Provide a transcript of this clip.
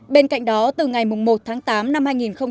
bên cạnh đó từ ngày một tháng tám năm hai nghìn một mươi tám